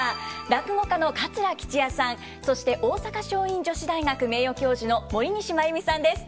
落語家の桂吉弥さんそして大阪樟蔭女子大学名誉教授の森西真弓さんです。